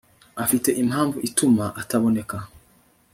afite impamvu ituma ataboneka